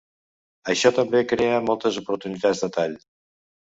Això també crea moltes oportunitats de tall.